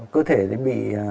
cơ thể thì bị